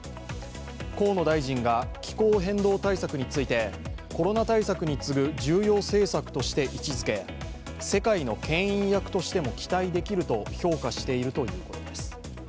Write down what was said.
河野大臣が気候変動対策について、コロナ対策に次ぐ重要政策として位置づけ、世界のけん引役としても期待できると評価しているということです。